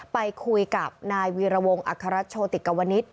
ไปคุยกับนายวีรวงอัครราชโชติกวนิษฐ